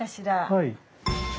はい。